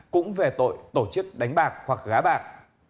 cũng về tội tổ chức đánh bạc hoặc gá bạc